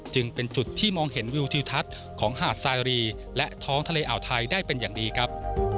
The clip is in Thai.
จึงเป็นจุดที่มองเห็นวิวทิวทัศน์ของหาดสายรีและท้องทะเลอ่าวไทยได้เป็นอย่างดีครับ